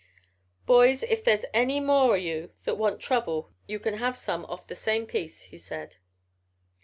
"'Boys, if there's any more o' you that want trouble you can have some off the same piece,' he said.